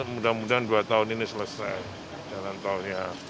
mudah mudahan dua tahun ini selesai jalan tolnya